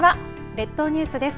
列島ニュースです。